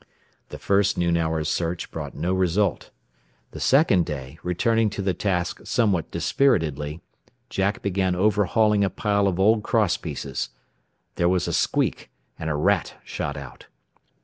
The first noon hour's search brought no result. The second day, returning to the task somewhat dispiritedly, Jack began overhauling a pile of old cross pieces. There was a squeak, and a rat shot out.